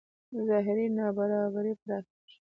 ظاهري نابرابرۍ پراخېږي.